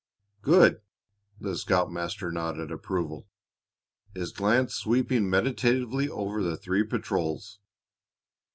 "Good!" The scoutmaster nodded approval, his glance sweeping meditatively over the three patrols.